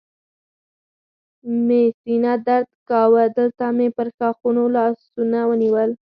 مې سینه درد کاوه، دلته مې پر ښاخونو لاسونه ونیول.